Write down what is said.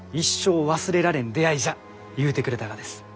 ゆうてくれたがです。